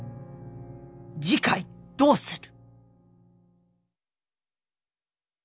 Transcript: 次回どうする。